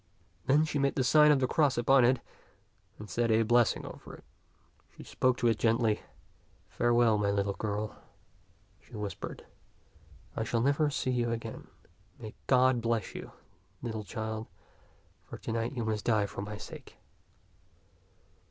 Then she made the sign of the cross upon it and said a blessing over it. She spoke to it gently. '' Farewell, my little girl," she whispered. I shall never see you again. May God bless you, little child, for to night you must die for my sake."